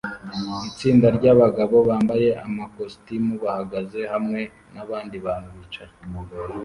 Itsinda ryabagabo bambaye amakositimu bahagaze hamwe nabandi bantu bicaye